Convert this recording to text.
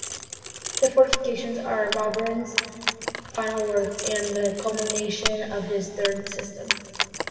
The fortifications are Vauban's final work and the culmination of his 'Third System'.